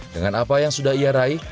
dengan apa yang sudah ia raih